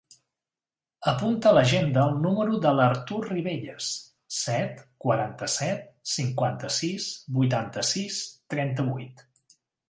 Apunta a l'agenda el número de l'Artur Ribelles: set, quaranta-set, cinquanta-sis, vuitanta-sis, trenta-vuit.